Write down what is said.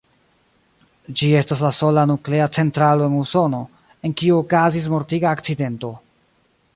Ĝi estas la sola nuklea centralo en Usono, en kiu okazis mortiga akcidento.